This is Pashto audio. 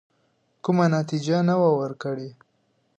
کومه نتیجه نه وه ورکړې.